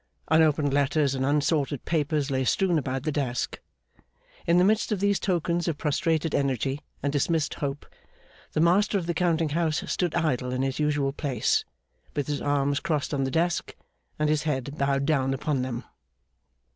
Unopened letters and unsorted papers lay strewn about the desk. In the midst of these tokens of prostrated energy and dismissed hope, the master of the Counting house stood idle in his usual place, with his arms crossed on the desk, and his head bowed down upon them.